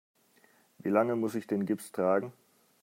Wie lange muss ich den Gips tragen?